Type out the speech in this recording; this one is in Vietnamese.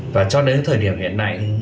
và cho đến thời điểm hiện nay